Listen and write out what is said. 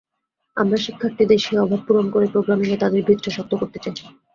আমরা শিক্ষার্থীদের সেই অভাব পূরণ করে প্রোগ্রামিংয়ে তাঁদের ভিতটা শক্ত করতে চাই।